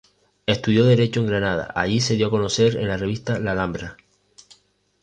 Estudió derecho en Granada; allí se dio a conocer en la revista "La Alhambra".